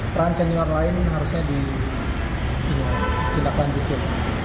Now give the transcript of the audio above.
peran senior lain harusnya ditindaklanjutin